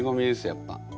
やっぱ。